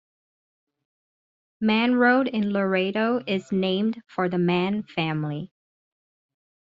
Mann Road in Laredo is named for the Mann family.